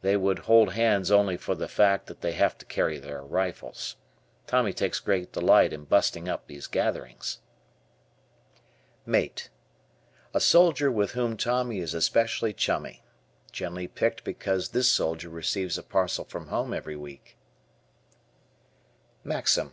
They would "hold hands" only for the fact that they have to carry their rifles. Tommy takes great delight in "busting up" these gatherings. Mate. A soldier with whom Tommy is especially "chummy." Generally picked because this soldier receives a parcel from home every week. Maxim.